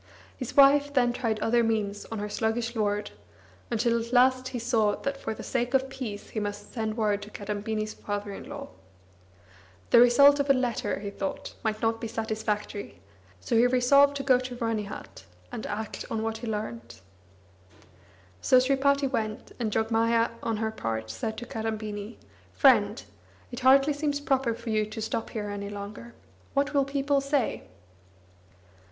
His wife, then, tried other means of her sluggish lord, until at last he saw that for the sake of peace he must send word to Kadambini's father in law. The result of a letter, he thought, might not be satisfactory; so he resolved to go to Ranihat, and act on what he learnt. So Sripati went, and Jogmaya on her part said to Kadambini "Friend, it hardly seems proper for you to stop here any longer. What will people say?"